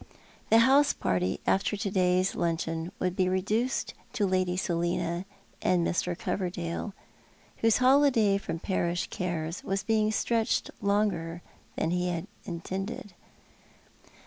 The house party after to day's luncheon would be reduced to Lady iSelina and Mr. Coverdale, whose holiday from parish cares was being stretched longer than he had intended.